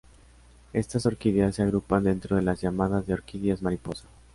Estas orquídeas se agrupan dentro de las llamadas de Orquídeas Mariposa.